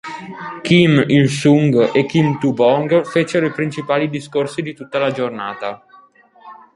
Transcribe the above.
Kim Il-sung e Kim Tu-bong fecero i principali discorsi di tutta la giornata.